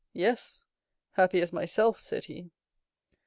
"Yes, happy as myself," said he.